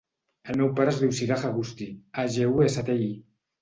El meu pare es diu Siraj Agusti: a, ge, u, essa, te, i.